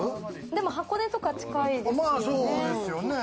箱根とか近いですよね。